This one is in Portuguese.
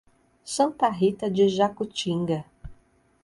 Santa Rita de Jacutinga